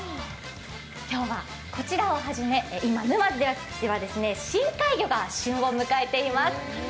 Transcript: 今日はこちらをはじめ、今、沼津では深海魚が旬を迎えています。